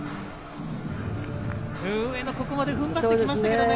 上野、ここまで踏ん張ってきましたけどね。